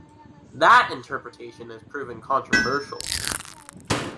That interpretation has proven controversial.